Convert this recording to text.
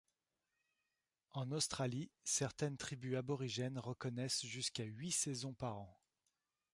En Australie, certaines tribus aborigènes reconnaissent jusqu'à huit saisons par an.